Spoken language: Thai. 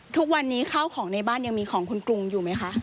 ทุกวันนี้ข้าวของในบ้านยังมีของคุณกรุงอยู่ไหมคะ